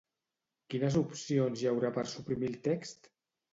Quines opcions hi haurà per suprimir el text?